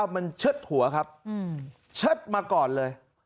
มันเชิดหัวครับเชิดมาก่อนเลย